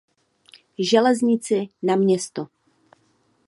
Železnici na město.